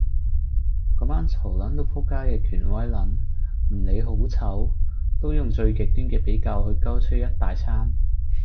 嗰班嘈撚到仆街嘅權威撚，唔理好醜，都用最極端嘅比較去鳩吹一大餐。